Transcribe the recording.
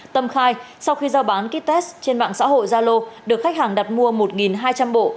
tâm khai sau khi giao bán kit test trên mạng xã hội gia lô được khách hàng đặt mua một hai trăm linh bộ